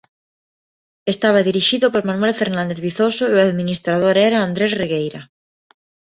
Estaba dirixido por Manuel Fernández Vizoso e o administrador era Andrés Regueira.